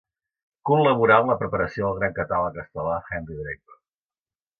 Col·laborà en la preparació del gran catàleg estel·lar Henry Draper.